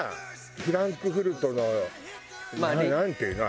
フランクフルトのなんていうの？